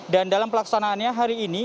dan dalam pelaksanaannya hari ini